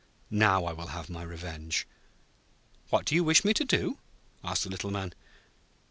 Now I will have my revenge.' 'What do you wish me to do?' asked the Little Man.